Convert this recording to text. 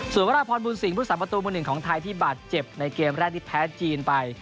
ส่วนวราพรบุญสิงหุสาประตูมือหนึ่งของไทยที่บาดเจ็บในเกมแรกที่แพ้จีนไป